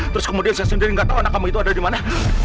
terus kemudian saya sendiri gak tau anak kamu itu ada dimana